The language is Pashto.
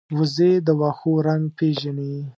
وزې د واښو رنګ پېژني